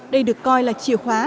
đây được coi là chìa khóa